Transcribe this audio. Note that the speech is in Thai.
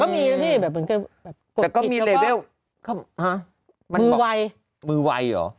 แต่ก็มีแล้วนี่แบบเหมือนกันแต่ก็มีฮะมือวัยมือวัยหรอ